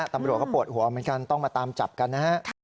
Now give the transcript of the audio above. ตำรวจก็ปวดหัวเหมือนกันต้องมาตามจับกันนะฮะ